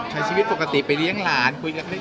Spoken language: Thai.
ใช้ชีวิตปกติไปเลี่ยงหลาน